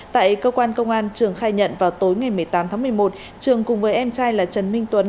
tại cơ quan công an trường khai nhận vào tối ngày một mươi tám tháng một mươi một trường cùng với em trai là trần minh tuấn